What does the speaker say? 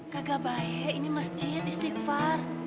kagak baik ini masjid istighfar